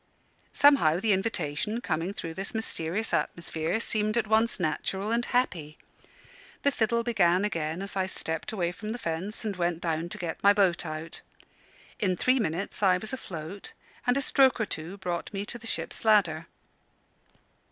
Somehow, the invitation, coming through this mysterious atmosphere, seemed at once natural and happy. The fiddle began again as I stepped away from the fence and went down to get my boat out. In three minutes I was afloat, and a stroke or two brought me to the ship's ladder.